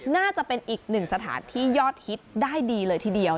น่าจะเป็นอีกหนึ่งสถานที่ยอดฮิตได้ดีเลยทีเดียว